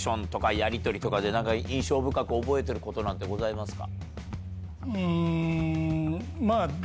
やりとりとかで印象深く覚えてることなんてございますか？